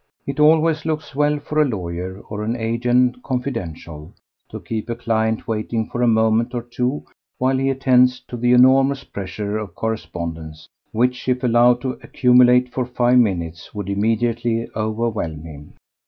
It always looks well for a lawyer or an agent confidentiel to keep a client waiting for a moment or two while he attends to the enormous pressure of correspondence which, if allowed to accumulate for five minutes, would immediately overwhelm him.